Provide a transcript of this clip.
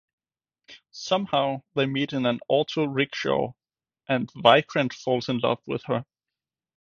Somehow they meet in an auto rickshaw and Vikrant falls in love with her.